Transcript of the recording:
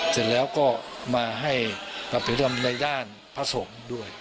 เสร็จแล้วก็มาให้ปรับเปลี่ยนพฤติกรรมในด้านพระสงฆ์ด้วย